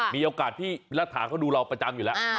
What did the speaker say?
มีโอกาสที่รัฐาเขาดูเราประจำอยู่แล้ว